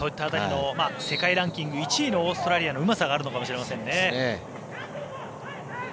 世界ランキング１位のうまさがあるのかもしれませんね。